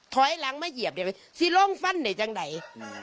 ท้อยรังไม่เหยียบทีสิร้องฟันในจังไหน